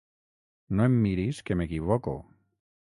No em miris que m'equivoco.